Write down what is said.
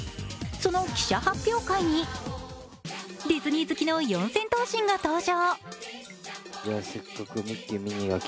その記者発表会にディズニー好きの四千頭身が登場。